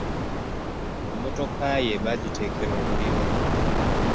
Emmotoka ye bagiteekera omuliro.